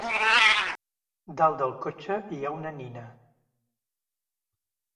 Dalt del cotxe hi ha una nina.